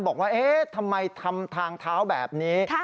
บอกว่าเอ๊ะทำไมทำทางเท้าแบบนี้